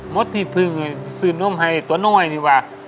หมดที่พึ่งซื้อนมให้ตัวน้อยนี่ว่ะ